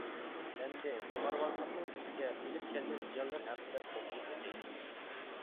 ئەمدى قىمارۋازلىقنىڭ بىزگە ئېلىپ كەلگەن زىيانلىرى ھەققىدە توختىلىپ ئۆتەيلى.